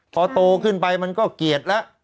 พอโตขึ้นไปมันก็เกลียดแล้ว